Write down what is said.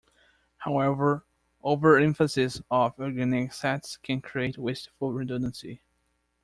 However, over-emphasis of organic assets can create wasteful redundancy.